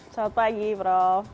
selamat pagi prof